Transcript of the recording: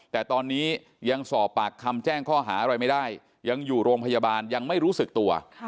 แต่ตอนนี้ยังสอบปากคำแจ้งข้อหาอะไรไม่ได้ยังอยู่โรงพยาบาลยังไม่รู้สึกตัว